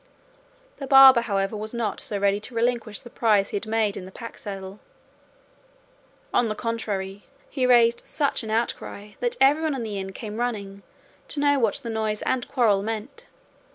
The barber, however, was not so ready to relinquish the prize he had made in the pack saddle; on the contrary, he raised such an outcry that everyone in the inn came running to know what the noise and quarrel meant.